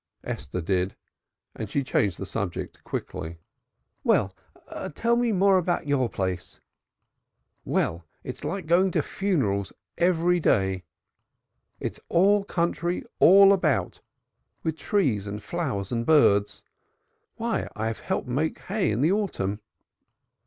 Esther did and she changed the subject quickly. "Well, tell me more about your place." "Well, it's like going to funerals every day. It's all country all round about, with trees and flowers and birds. Why, I've helped to make hay in the autumn."